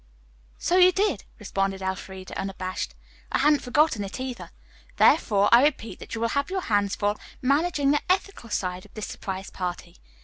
"So you did," responded Elfreda unabashed. "I hadn't forgotten it, either. Therefore I repeat that you will have your hands full managing the ethical side of this surprise party.